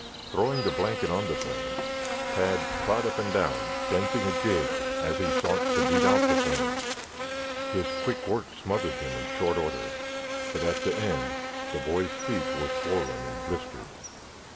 Throwing the blanket on the flames, Tad trod up and down, dancing a jig as he sought to beat out the flames. His quick work smothered them in short order, but at the end the boy's feet were swollen and blistered.